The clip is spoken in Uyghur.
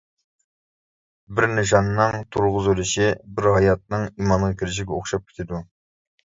بىر نىشاننىڭ تۇرغۇزۇلۇشى بىر ھاياتنىڭ ئىمانغا كىرىشىگە ئوخشاپ كېتىدۇ.